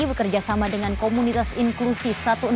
bekerja sama dengan komunitas inklusi satu ratus enam puluh